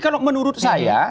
kalau menurut saya